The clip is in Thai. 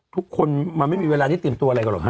ทุกคนมันไม่มีเวลาที่เตรียมตัวอะไรกันหรอกฮ